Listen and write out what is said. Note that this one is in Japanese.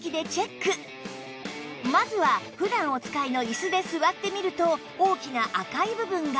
まずは普段お使いの椅子で座ってみると大きな赤い部分が